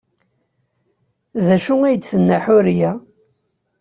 D acu ay d-tenna Ḥuriya?